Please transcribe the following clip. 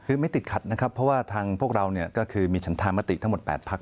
คือไม่ติดขัดนะครับเพราะว่าทางพวกเราเนี่ยก็คือมีฉันธามติทั้งหมด๘พัก